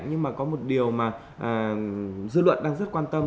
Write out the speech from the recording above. nhưng mà có một điều mà dư luận đang rất quan tâm